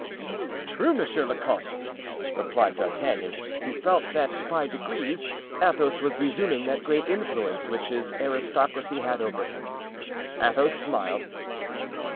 "True, monsieur le comte," replied D'Artagnan, who felt that by degrees Athos was resuming that great influence which aristocracy had over him. Athos smiled.